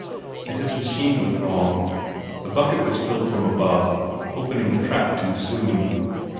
And his machine went wrong; the bucket was filled from above, opening the trap too soon.